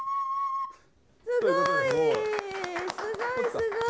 すごい！